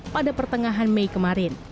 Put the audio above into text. pada pertengahan mei kemarin